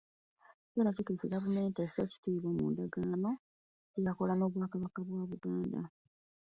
Ekiseera kituuse gavumenti esse ekitiibwa mu ndagaano gye yakola n’Obwakabaka bwa Buganda.